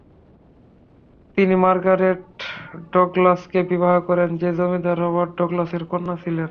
তিনি মার্গারেট ডগলাসকে বিবাহ করেন যে জমিদার রবার্ট ডগলাসের কন্যা ছিলেন।